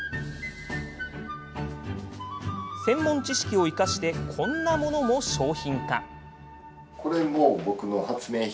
専門知識を生かしてこんなものも商品化。